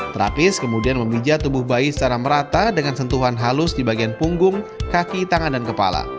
terapis kemudian memijat tubuh bayi secara merata dengan sentuhan halus di bagian punggung kaki tangan dan kepala